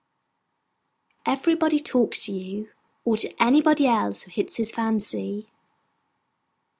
Everybody talks to you, or to anybody else who hits his fancy.